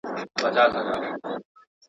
دا موږ ولي همېشه غم ته پیدا یو.